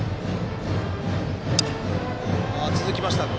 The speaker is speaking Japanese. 続きました。